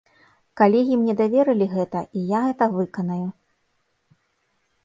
Калегі мне даверылі гэта, і я гэта выканаю.